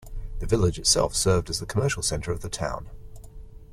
The village itself served as the commercial center of the town.